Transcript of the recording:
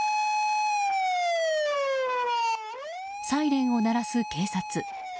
サイレンを鳴らす警察。